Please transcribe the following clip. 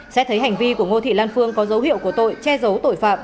xét thấy hành vi của ngô thị lan phương có dấu hiệu của tội che giấu tội phạm